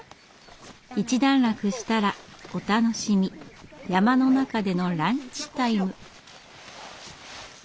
一段落したらお楽しみ山の中でのランチタイム。